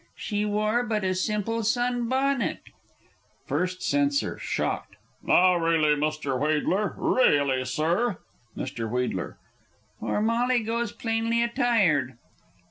"She wore but a simple sun bonnet." First Censor (shocked). Now really, Mr. Wheedler, really, Sir! Mr. W. "For Molly goes plainly attired."